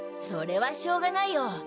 それはしょうがないよ。